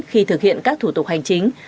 khi thực hiện các thủ tục hành chính